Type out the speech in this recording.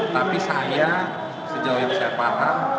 tapi saya sejauh yang saya paham